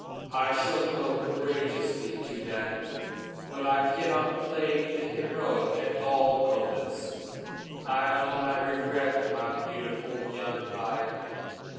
I shall go courageously to death, but I cannot play the heroic at all moments; I own I regret my beautiful young life.